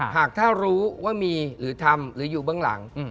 หากถ้ารู้ว่ามีหรือทำหรืออยู่เบื้องหลัง